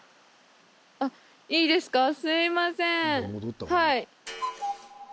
あっいいですかすいませんはい。